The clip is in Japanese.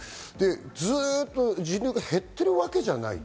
ずっと人流が減っているわけじゃない。